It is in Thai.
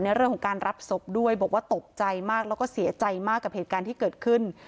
ในเรื่องของการรับศพด้วยบอกว่าตกใจมากแล้วก็เสียใจมากกับเหตุการณ์ที่เกิดขึ้น